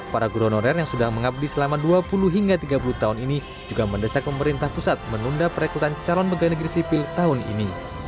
para guru honorer yang sudah mengabdi selama dua puluh hingga tiga puluh tahun ini juga mendesak pemerintah pusat menunda perekrutan calon pegawai negeri sipil tahun ini